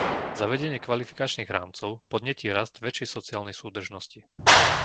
Zavedenie kvalifikačných rámcov podnieti rast väčšej sociálnej súdržnosti.